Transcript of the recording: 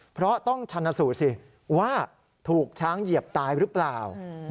เพราะต้องชันสูตรสิว่าถูกช้างเหยียบตายหรือเปล่า